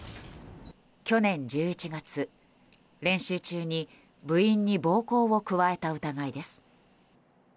去年１１月、練習中に部員に暴行を加えた疑いです。